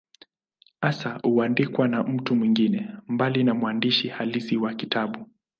Hasa huandikwa na mtu mwingine, mbali na mwandishi halisi wa kitabu.